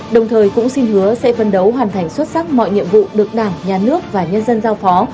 đồng thời cũng xin hứa sẽ phân đấu hoàn thành xuất sắc mọi nhiệm vụ được đảng nhà nước và nhân dân giao phó